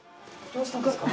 どうしたんですか？